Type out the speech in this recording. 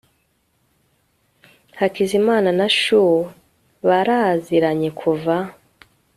hakizimana na sue baraziranye kuva